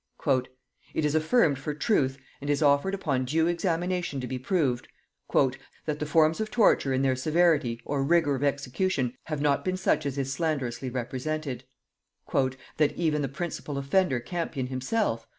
"It is affirmed for truth, and is offered upon due examination to be proved," "that the forms of torture in their severity or rigor of execution have not been such as is slanderously represented"... "that even the principal offender Campion himself"...